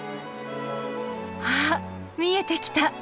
あ見えてきた。